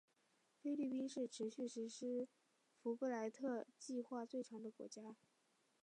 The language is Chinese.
菲律宾是持续实施福布莱特计划最长的国家。